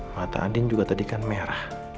mata adin juga tadi kan merah